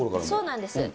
そうなんです。